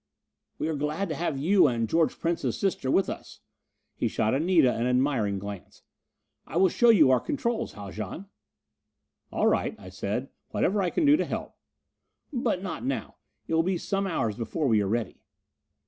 "We are glad to have you and George Prince's sister with us." He shot Anita an admiring glance. "I will show you our controls, Haljan." "All right," I said. "Whatever I can do to help...." "But not now. It will be some hours before we are ready."